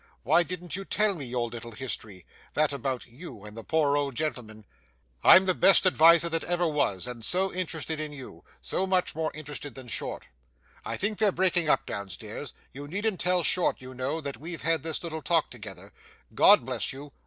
Why didn't you tell me your little history that about you and the poor old gentleman? I'm the best adviser that ever was, and so interested in you so much more interested than Short. I think they're breaking up down stairs; you needn't tell Short, you know, that we've had this little talk together. God bless you.